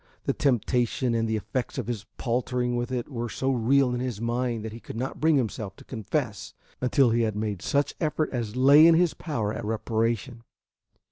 The temptation and the effects of his paltering with it were so real in his mind that he could not bring himself to confess until he had made such effort as lay in his power at reparation.